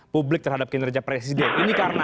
publik terhadap kinerja presiden ini karena